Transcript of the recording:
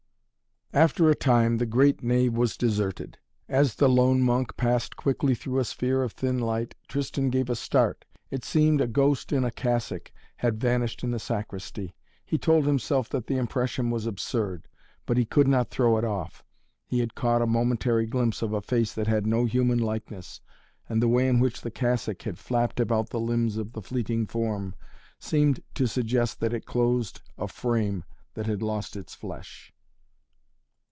After a time the great nave was deserted. As the lone monk passed quickly through a sphere of thin light, Tristan gave a start. It seemed a ghost in a cassock that had vanished in the sacristy. He told himself that the impression was absurd, but he could not throw it off. He had caught a momentary glimpse of a face that had no human likeness, and the way in which the cassock had flapped about the limbs of the fleeting form seemed to suggest that it clothed a frame that had lost its flesh.